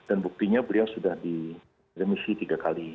buktinya beliau sudah diremisi tiga kali